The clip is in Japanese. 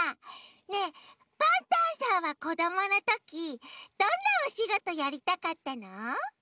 ねえパンタンさんはこどものときどんなおしごとやりたかったの？